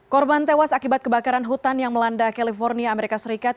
korban tewas akibat kebakaran hutan yang melanda california amerika serikat